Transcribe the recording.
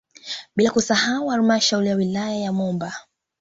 Bila kusahau halmashauri ya wilaya ya Momba